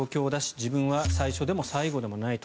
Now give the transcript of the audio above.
自分は最初でも最後でもないと。